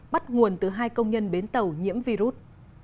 bắt nguồn từ hai công nhân bến tàu nhiễm virus